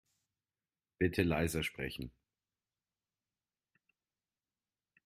Bitte leiser sprechen.